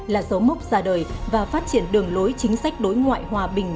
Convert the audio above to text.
là dấu mốc ra đời và phát triển đường lối chính sách đối ngoại hòa bình